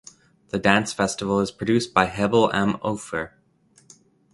The dance festival is produced by Hebbel am Ufer.